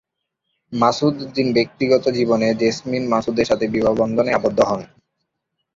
মাসুদ উদ্দিন ব্যক্তিগত জীবনে জেসমিন মাসুদের সাথে বিবাহ বন্ধনে আবদ্ধ হন।